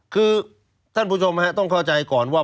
คือท่านผู้ชมต้องเข้าใจก่อนว่า